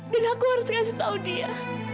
dan aku harus kasih tahu dia